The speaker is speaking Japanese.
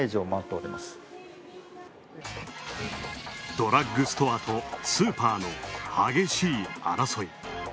ドラッグストアとスーパーの激しい争い。